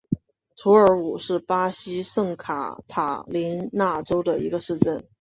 图尔武是巴西圣卡塔琳娜州的一个市镇。